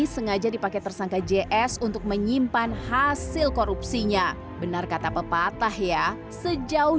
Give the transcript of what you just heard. sengaja dipakai tersangka js untuk menyimpan hasil korupsinya benar kata pepatah ya sejauh